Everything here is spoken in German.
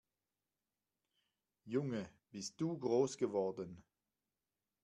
Junge, bist du groß geworden!